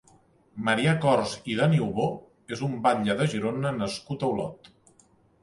Marià Cors i de Niubò és un batlle de Girona nascut a Olot.